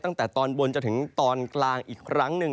ตั้งแต่ตอนบนจนถึงตอนกลางอีกครั้งหนึ่ง